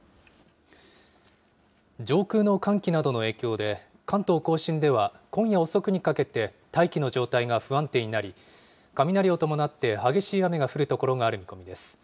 上空の寒気などの影響で、関東甲信では今夜遅くにかけて大気の状態が不安定になり、雷を伴って激しい雨が降る所がある見込みです。